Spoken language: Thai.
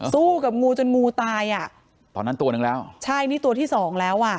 สู้กับงูจนงูตายอ่ะตอนนั้นตัวนึงแล้วใช่นี่ตัวที่สองแล้วอ่ะ